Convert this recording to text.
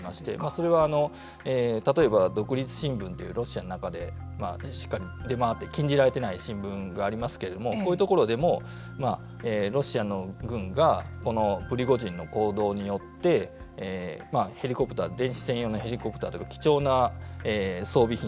それは例えば、独立新聞というロシアの中で出回って禁じられていない新聞がありますけれどもこういうところでもロシアの軍がこのプリゴジンの行動によってヘリコプター貴重な装備品